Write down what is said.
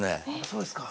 そうですか。